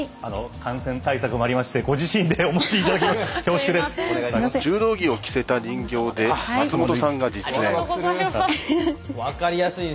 感染対策もありましてご自身でお持ちいただきます。